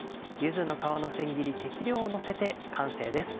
柚子の皮の千切り適量をのせて完成です。